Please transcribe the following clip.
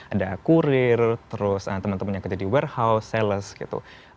ada kurir terus teman teman yang kerja di warehouse sales gitu